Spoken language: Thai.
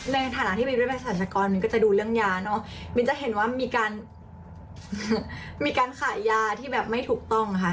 ในฐานะที่มินด้วยเพศรัชกรมินก็จะดูเรื่องยาเนอะมิ้นจะเห็นว่ามีการมีการขายยาที่แบบไม่ถูกต้องค่ะ